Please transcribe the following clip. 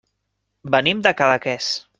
Venim de Cadaqués.